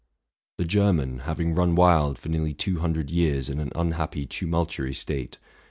The German, having run wild for nearly two hundred years in an unhappy tumultuary state.